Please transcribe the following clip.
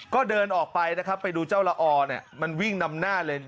ก็เดินออกไปนะครับไปดูเจ้าละออเนี่ยมันวิ่งนำหน้าเลย